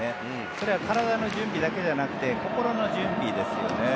それは体の準備だけじゃなくて心の準備ですよね。